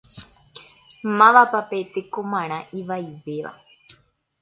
Mávapa pe tekomarã ivaivéva?